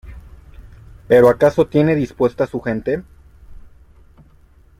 ¿ pero acaso tiene dispuesta su gente?